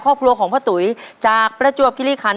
ครอบครัวของพ่อตุ๋ยจากประจวบคิริคัน